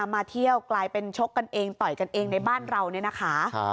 มาเที่ยวกลายเป็นชกกันเองต่อยกันเองในบ้านเราเนี่ยนะคะ